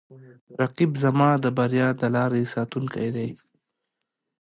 رقیب زما د بریا د لارې ساتونکی دی